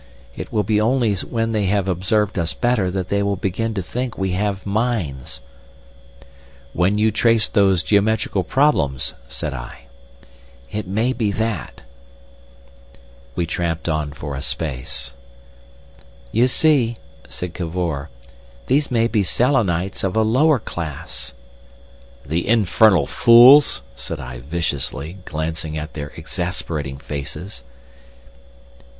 It will be only when they have observed us better that they will begin to think we have minds—" "When you trace those geometrical problems," said I. "It may be that." We tramped on for a space. "You see," said Cavor, "these may be Selenites of a lower class." "The infernal fools!" said I viciously, glancing at their exasperating faces.